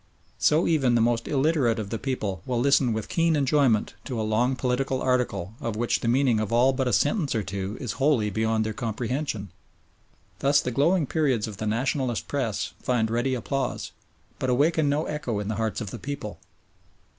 So even the most illiterate of the people will listen with keen enjoyment to a long political article of which the meaning of all but a sentence or two is wholly beyond their comprehension. Thus the glowing periods of the Nationalist Press find ready applause, but awaken no echo in the hearts of the people.